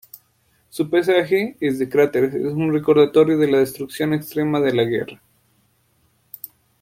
Su paisaje de cráteres es un recordatorio de la destrucción extrema de la guerra.